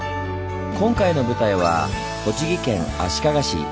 今回の舞台は栃木県足利市。